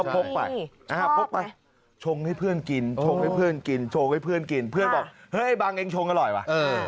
พบไปชงให้เพื่อนกินเครื่องบอกบางเองชงอร่อยปะ